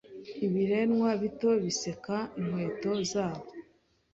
Ibiremwa bito biseka inkweto zabo